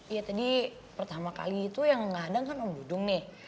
iya tadi pertama kali itu yang ngadang kan om dudung nih